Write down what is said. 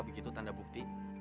begitu tanda bukti